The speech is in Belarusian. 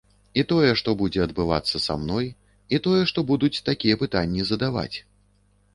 І тое, што будзе адбывацца са мной, і тое, што будуць такія пытанні задаваць.